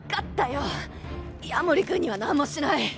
夜守君には何もしない。